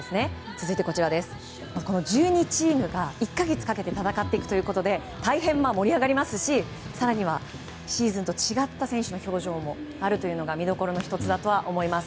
続いて、この１２チームが１か月かけて戦うということで大変盛り上がりますし更には、シーズンと違った選手の表情もあるのが見どころの１つだと思います。